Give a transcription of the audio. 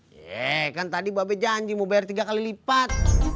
yeee kan tadi ba bee janji mau bayar tiga kali lipat